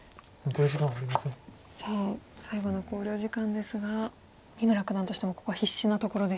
さあ最後の考慮時間ですが三村九段としてもここは必死なところですよね。